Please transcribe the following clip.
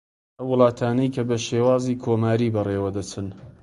ئەو وڵاتانەی کە بە شێوازی کۆماری بە ڕێوە دەچن